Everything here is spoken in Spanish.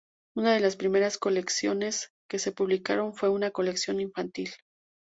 Una de las primeras colecciones que se publicaron fue una colección infantil.